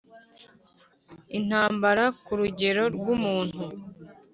intambara kurugero rwumuntu!